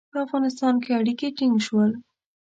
په افغانستان کې اړیکي ټینګ شول.